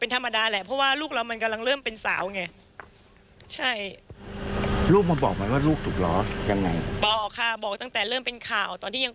ธรรมดาของแม่แหละ